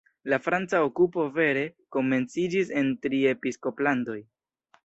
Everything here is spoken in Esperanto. La franca okupo vere komenciĝis en Tri-Episkoplandoj.